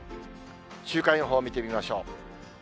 週間予報を見てみましょう。